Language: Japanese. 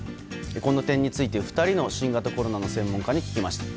この点について、２人の新型コロナの専門家に聞きました。